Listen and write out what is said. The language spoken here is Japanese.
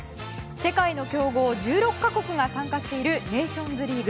世界の強豪１６か国が参加しているネーションズリーグ。